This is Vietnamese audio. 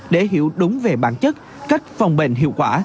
để hiểu đúng về bản chất cách phòng bệnh hiệu quả